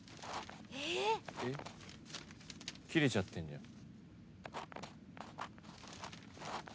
えっ切れちゃってんじゃん。